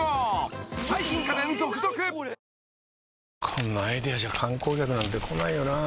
こんなアイデアじゃ観光客なんて来ないよなあ